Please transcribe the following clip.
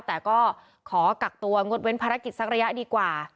แต่ก็ขอกักตัวงดเว้นภารกิจสักระยะดีกว่า